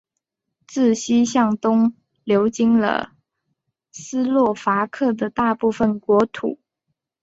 自西向东流经了斯洛伐克的大部分国土。